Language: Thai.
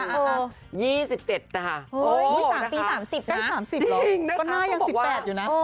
๒๗นะคะอีกมี๓ปี๓๐นะคะจริงนะคะก็หน้ายัง๑๘อยู่นะ